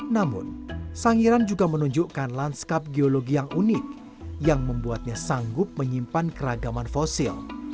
namun sangiran juga menunjukkan lanskap geologi yang unik yang membuatnya sanggup menyimpan keragaman fosil